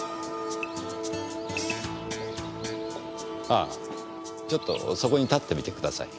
ああちょっとそこに立ってみてください。